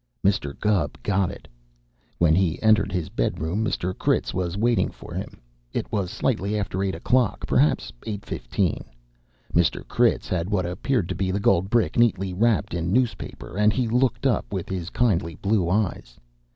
Mr. Gubb got it. When he entered his bedroom, Mr. Critz was waiting for him. It was slightly after eight o'clock; perhaps eight fifteen. Mr. Critz had what appeared to be the gold brick neatly wrapped in newspaper, and he looked up with his kindly blue eyes.